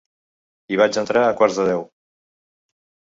Hi vaig entrar a quarts de deu.